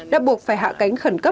đã buộc phải hạ cánh khẩn cư